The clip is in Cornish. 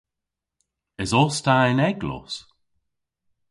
Esos ta y'n eglos?